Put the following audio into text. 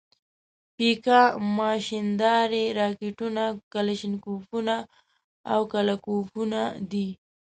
پیکا ماشیندارې، راکېټونه، کلاشینکوفونه او کله کوفونه دي.